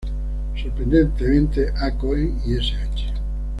Sorprendentemente, A. Cohen y Sh.